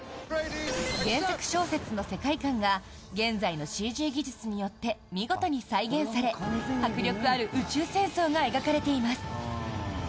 原作小説の世界観が現在のＣＧ技術によって見事に再現され迫力ある宇宙戦争が描かれています。